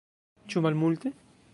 Ĉu malmulte?